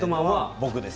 僕です。